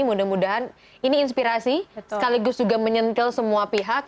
mudah mudahan ini inspirasi sekaligus juga menyentil semua pihak